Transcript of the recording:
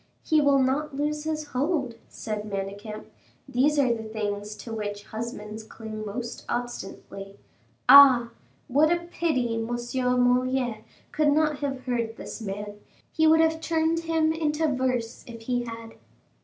"He will not lose his hold," said Manicamp; "these are the things to which husbands cling most obstinately. Ah! what a pity M. Moliere could not have heard this man; he would have turned him into verse if he had."